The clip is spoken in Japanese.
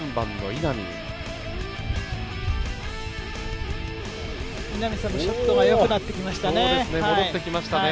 稲見さんもショットが良くなってきましたね。